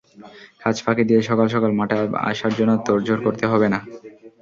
কাজ ফাঁকি দিয়ে সকাল সকাল মাঠে আসার জন্য তোড়জোড় করতে হবে না।